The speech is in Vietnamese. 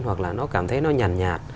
hoặc là nó cảm thấy nó nhạt nhạt